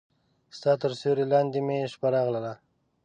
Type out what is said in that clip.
ستا تر سیوري لاندې مې شپه راغله